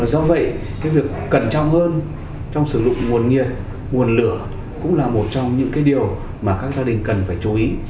do vậy cái việc cẩn trọng hơn trong sử dụng nguồn nhiệt nguồn lửa cũng là một trong những cái điều mà các gia đình cần phải chú ý